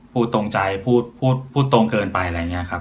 พูดตรงใจพูดพูดตรงเกินไปอะไรอย่างนี้ครับ